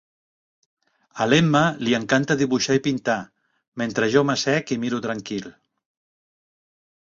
A l'Emma li encanta dibuixar i pintar, mentre jo m'assec i miro tranquil